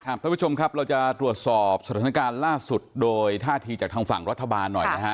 ท่านผู้ชมครับเราจะตรวจสอบสถานการณ์ล่าสุดโดยท่าทีจากทางฝั่งรัฐบาลหน่อยนะฮะ